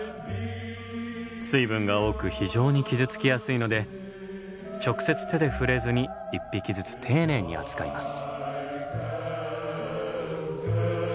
水分が多く非常に傷つきやすいので直接手で触れずに１匹ずつ丁寧に扱います。